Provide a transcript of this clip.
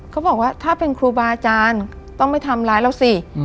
เขาบอกว่าถ้าเป็นครูบาอาจารย์ต้องไม่ทำร้ายเราสิ